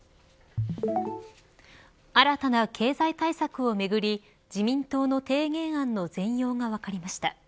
新たな経済改革をめぐり自民党の提言案の全容が分かりました。